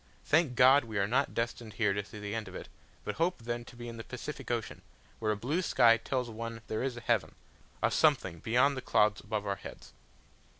Thank God, we are not destined here to see the end of it, but hope then to be in the Pacific Ocean, where a blue sky tells one there is a heaven, a something beyond the clouds above our heads.